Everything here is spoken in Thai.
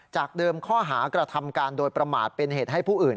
จากเดิมข้อหากระทำการโดยประมาทเป็นเหตุให้ผู้อื่น